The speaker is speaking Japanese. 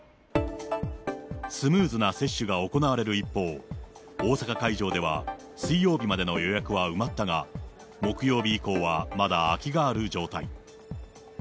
スムーズな接種が行われる一方、大阪会場では、水曜日までの予約は埋まったが、木曜日以降はまだ空きがある状態。